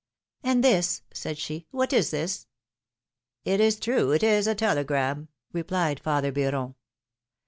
^^And this/^ said she, ^^what is this?^^ It is true, it is a telegram,^^ replied father Beuron.